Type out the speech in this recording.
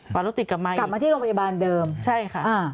ฝ่ารถติดกลับมาอีกกลับมาที่โรงพยาบาลเดิมใช่ค่ะ